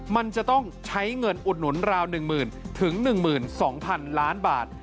มันจะต้องใช้เงินอุดหนุนราว๑๐๐๐๑๒๐๐๐ล้านบาท